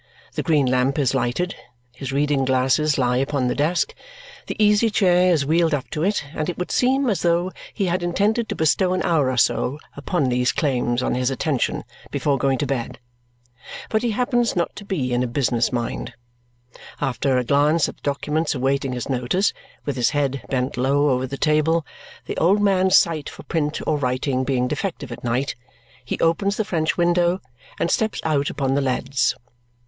The green lamp is lighted, his reading glasses lie upon the desk, the easy chair is wheeled up to it, and it would seem as though he had intended to bestow an hour or so upon these claims on his attention before going to bed. But he happens not to be in a business mind. After a glance at the documents awaiting his notice with his head bent low over the table, the old man's sight for print or writing being defective at night he opens the French window and steps out upon the leads.